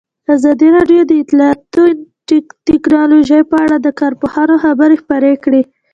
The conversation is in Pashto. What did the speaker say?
ازادي راډیو د اطلاعاتی تکنالوژي په اړه د کارپوهانو خبرې خپرې کړي.